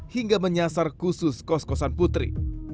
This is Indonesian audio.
hingga menyasar khusus kos kosan putri